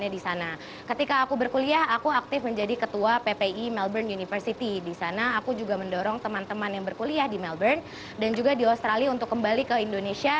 dan juga kemudian saya juga mendorong teman teman yang berkuliah di melbourne dan juga di australia untuk kembali ke indonesia